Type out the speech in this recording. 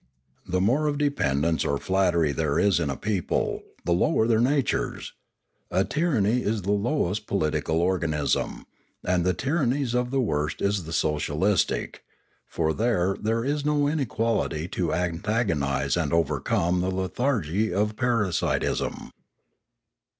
The more of dependence or flattery there is in a people, the lower their natures; a tyranny is the lowest political organism ; and of tyran nies the worst is the socialistic; for there, there is no inequality to antagonise and overcome the lethargy of parasitism.